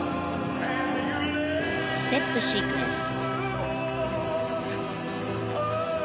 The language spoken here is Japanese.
ステップシークエンス。